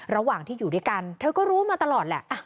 ระหว่างที่อยู่ด้วยกันเธอก็รู้มาตลอดแหละ